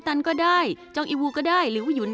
ปลายไข่หนันปลายไข่หนัน